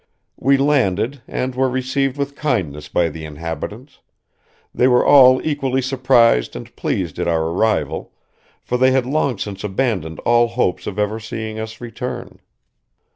We landed, and were received with kindness by the inhabitants.... They were all equally surprised and pleased at our arrival, for they had long since abandoned all hopes of ever seeing us return."